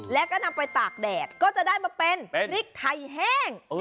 แล้วก็นำไปตากแดดก็จะได้มาเป็นพริกไทยแห้ง